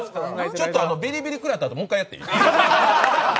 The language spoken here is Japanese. ちょっとビリビリ食らったあと、もう一回やってもいい？